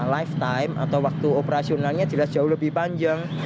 lifetime atau waktu operasionalnya jelas jauh lebih panjang